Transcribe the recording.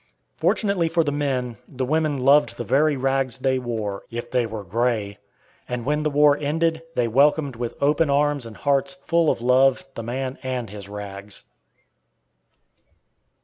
Fortunately for the men, the women loved the very rags they wore, if they were gray; and when the war ended, they welcomed with open arms and hearts full of love the man and his rags.